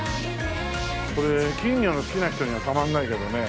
これ金魚の好きな人にはたまんないけどね。